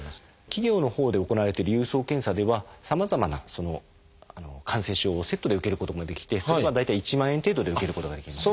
企業のほうで行われてる郵送検査ではさまざまな感染症をセットで受けることもできてそれが大体１万円程度で受けることができます。